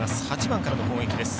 ８番からの攻撃です。